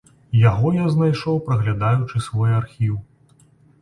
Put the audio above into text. Яго я знайшоў, праглядаючы свой архіў.